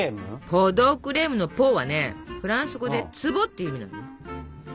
ポ・ド・クレームの「ポ」はねフランス語で「壺」っていう意味なのね。